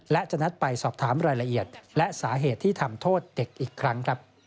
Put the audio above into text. และจะนัดไปสอบถามรายละเอียดและสาเหตุที่ทำโทษเด็กอีกครั้ง